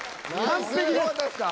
よかったですか？